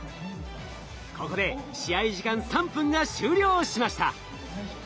ここで試合時間３分が終了しました。